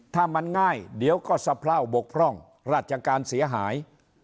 ถ้ามันง่ายเดี๋ยวก็สะเพล่าบกพร่องราชการเสียหาย